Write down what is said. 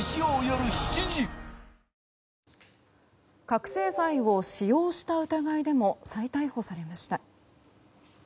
覚醒剤を使用した疑いでも再逮捕されました。